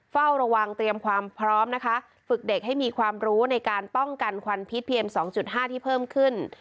เฝ้าระวังเตรียมความพร้อมนะคะฝึกเด็กให้มีความรู้ในการป้องกันควันพิษเพียง๒๕ที่เพิ่มขึ้น